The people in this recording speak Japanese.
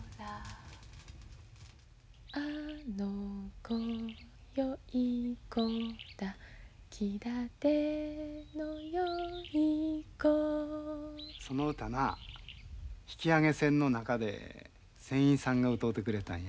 「あの娘よい娘だ気だての良い娘」その歌な引き揚げ船の中で船員さんが歌うてくれたんや。